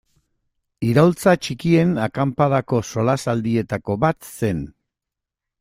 Iraultza Txikien Akanpadako solasaldietako bat zen.